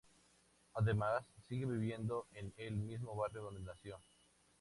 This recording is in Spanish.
Además sigue viviendo en el mismo barrio donde nació.